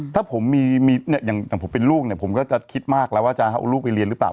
ถ้าผมมีอย่างผมเป็นลูกเนี่ยผมก็จะคิดมากแล้วว่าจะเอาลูกไปเรียนหรือเปล่า